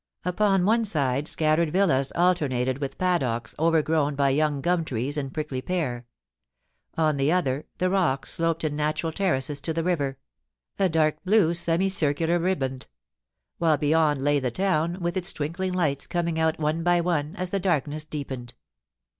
Upon one side, scattered villas alternated with paddocks overgrown by young gum trees and prickly pear; on the other, the rocks sloped in natural terraces to the river — a dark blue semicircular riband ; while beyond lay the town, with its twinkling lights coming out one by one as the darkness deepened.